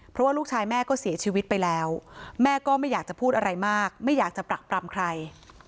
เพราะว่าลูกชายแม่ก็เสียชีวิตไปแล้วแม่ก็ไม่อยากจะพูดอะไรมากไม่อยากจะปรักปรำใคร